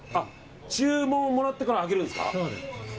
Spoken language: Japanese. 注文もらってから揚げるんですか。